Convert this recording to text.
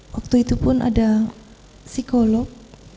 waktu itu pun ada psikolog